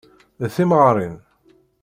D timɣarin.